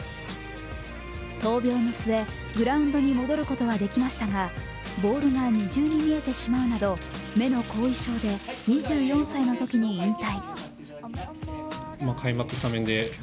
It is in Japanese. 闘病の末、グラウンドに戻ることはできましたが、ボールが二重に見えてしまうなど目の後遺症で２４歳のときに引退。